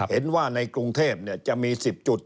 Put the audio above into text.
เห็นว่าในกรุงเทพจะมี๑๐จุด